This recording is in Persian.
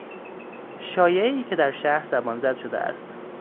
شایعهای که در شهر زبانزد شده است